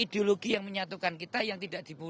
itu ideologi yang menyatukan kita yang tidak dibunuh